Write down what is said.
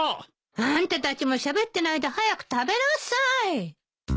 あんたたちもしゃべってないで早く食べなさい。